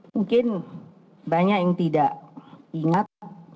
mungkin banyak yang tidak ingat